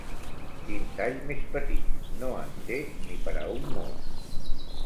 Quin tall més petit: no en té ni per a un mos.